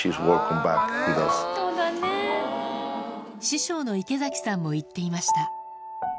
師匠の池崎さんも言っていました